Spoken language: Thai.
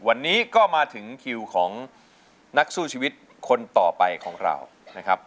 วันนี้ก็มาถึงคิวของนักสู้ชีวิตคนต่อไปของเรานะครับ